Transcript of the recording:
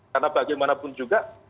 karena bagaimanapun juga